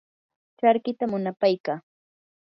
charkita munapaykaa.